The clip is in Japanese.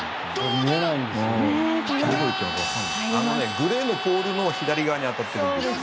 グレーのポールの左側に当たってるんですよ。